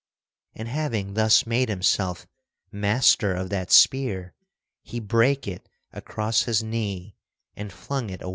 And having thus made himself master of that spear, he brake it across his knee and flung it away.